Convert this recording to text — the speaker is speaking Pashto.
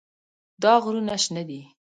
دا غرونه شنه دي.